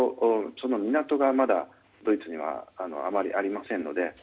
その港がドイツにはあまりありませんので。